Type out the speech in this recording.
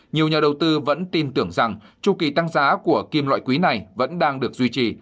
nhiều nhà đầu tư vẫn tin tưởng rằng tru kỳ tăng giá của kim loại quý này vẫn đang được duy trì